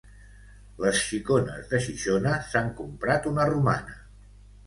Les xicones de Xixona s'han comprat una romana.